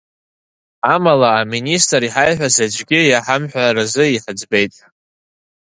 Амала, аминистр иҳаиҳәаз аӡәгьы иаҳамҳәаразы ҳаӡбеит.